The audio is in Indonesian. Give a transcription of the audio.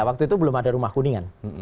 waktu itu belum ada rumah kuningan